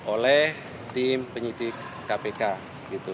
oleh tim penyidik kpk gitu